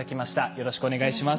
よろしくお願いします。